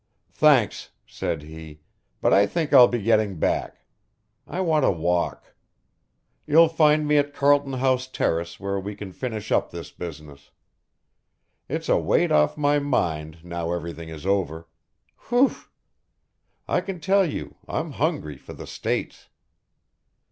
"Thanks," said he, "but I think I'll be getting back. I want a walk. You'll find me at Carlton House Terrace where we can finish up this business. It's a weight off my mind now everything is over whew! I can tell you I'm hungry for the States."